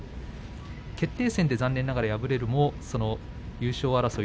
決定戦で残念ながら敗れるも優勝争い